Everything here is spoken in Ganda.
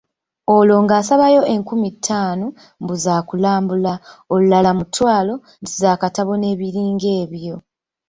Olwo ng'asabayo enkumi ttaano, mbu za kulambula, olulala mutwalo, nti za katabo n'ebiringa ebyo.